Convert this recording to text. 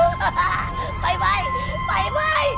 เร็วปล่อยไหมเร็ว